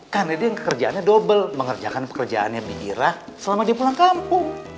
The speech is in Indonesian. karena dia yang pekerjaannya dobel mengerjakan pekerjaannya bidirah selama dia pulang kampung